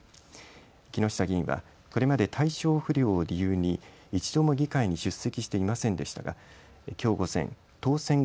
木下議員はこれまで体調不良を理由に一度も議会に出席していませんでしたがきょう午前、当選後